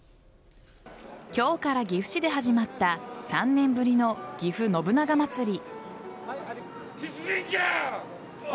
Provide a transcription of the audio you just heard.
今日から岐阜市で始まった３年ぶりのぎふ信長まつり。